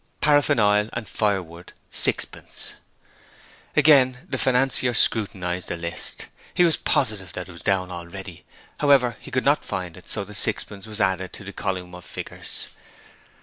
'Paraffin oil and firewood, sixpence.' Again the financier scrutinized the list. He was positive that it was down already. However, he could not find it, so the sixpence was added to the column of figures.